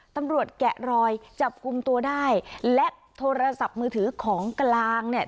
แกะรอยจับกลุ่มตัวได้และโทรศัพท์มือถือของกลางเนี่ย